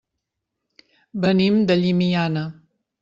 Venim de Llimiana.